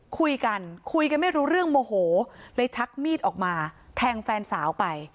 คุยกันคุยกันไม่รู้เรื่องโมโหเลยชักมีดออกมาแทงแฟนสาวไป